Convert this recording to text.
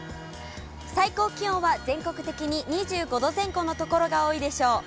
最高気温は全国的に２５度前後の所が多いでしょう。